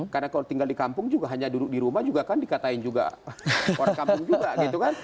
karena kalau tinggal di kampung juga hanya duduk di rumah juga kan dikatakan juga orang kampung juga